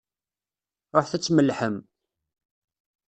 Ṛuḥet ad tmellḥem!